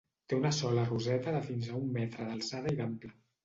Té una sola roseta de fins a un metre d'alçada i d'ample.